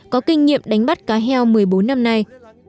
có kinh nghiệm đánh bắt cá heo một mươi bốn năm nay